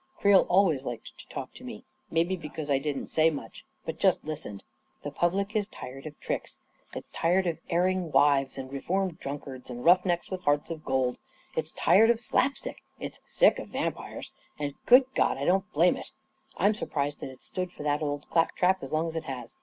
9 Creel always liked to talk to me, maybe because I didn't say much, but just listened. 11 The public is tired of tricks — it's tired of erring wivqs and reformed drunkards and rough necks with hearts of gold. It's tired of slap stick! It's sick of vampires! And good God, I don't blame it! I'm surprised that it's stood for that old clap trap as long as it has